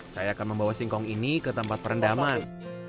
saya akan membawa singkong ini ke tempat perendaman